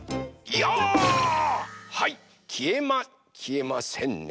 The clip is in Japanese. はいきえまきえませんね。